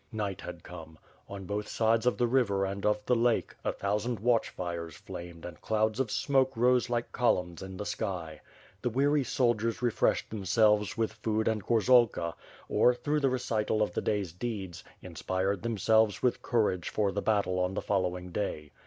Night had come. On both sides of the river and of the lake, a thousand watch fires flamed and clouds of smoke rose like columns in the sky. The weary soldiers refreshed themselves with food and gorzalka or, through the recital of the day's deeds, inspired themselves with courage for the battle on the following day.